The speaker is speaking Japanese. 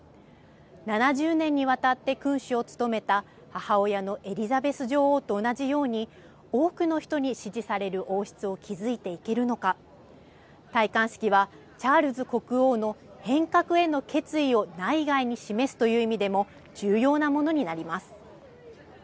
７０年にわたって君主を務めた母親のエリザベス女王と同じように、多くの人に支持される王室を築いていけるのか、戴冠式はチャールズ国王の変革への決意を内外に示すという意味でも重要なものになります。